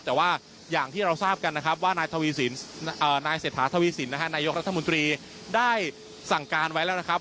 แต่ว่าอย่างที่เราทราบกันนะครับว่านายเศรษฐาทวีสินนะฮะนายกรัฐมนตรีได้สั่งการไว้แล้วนะครับ